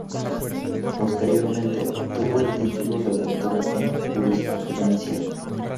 Posteriormente obtuvo el título de doctora en jurisprudencia.